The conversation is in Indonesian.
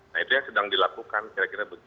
nah itu yang sedang dilakukan kira kira begitu